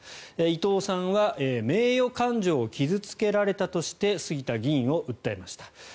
伊藤さんは名誉感情を傷付けられたとして杉田議員を訴えました。